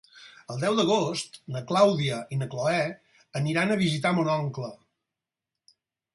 El deu d'agost na Clàudia i na Cloè iran a visitar mon oncle.